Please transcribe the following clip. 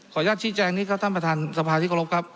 ขออนุญาตชีแจงที่เขาท่านประธานสภาที่กรบครับ